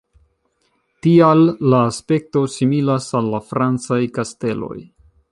Tial la aspekto similas al la francaj kasteloj.